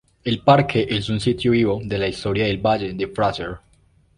El parque es un sitio vivo de la historia del Valle de Fraser.